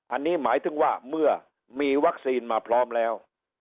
อันนี้หมายถึงว่าเมื่อมีวัคซีนมาพร้อมแล้ว